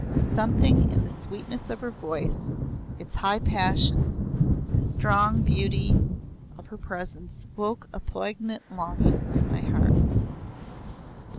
Something in the sweetness of her voice, its high passion, the strong beauty of her presence woke a poignant longing in my heart.